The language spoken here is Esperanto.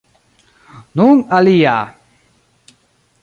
Nun alia!